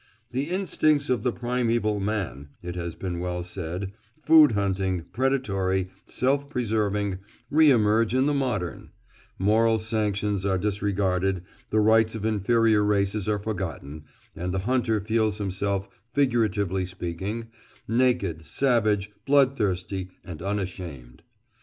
"The instincts of the primeval man," it has been well said, "food hunting, predatory, self preserving, re emerge in the modern: moral sanctions are disregarded, the rights of inferior races are forgotten, and the hunter feels himself, figuratively speaking, naked, savage, bloodthirsty, and unashamed."